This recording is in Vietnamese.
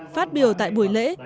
phát biểu tại buổi lễ